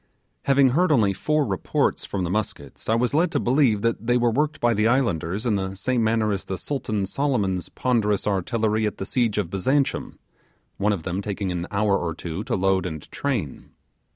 Having heard only four reports from the muskets, I was led to believe that they were worked by the islanders in the same manner as the Sultan Solyman's ponderous artillery at the siege of Byzantium, one of them taking an hour or two to load and train.